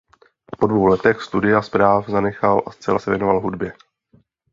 Po dvou letech studia práv zanechal a zcela se věnoval hudbě.